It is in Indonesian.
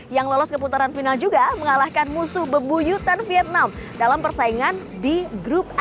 yang lolos keputaran final juga mengalahkan musuh bebuyutan vietnam dalam persaingan di grup a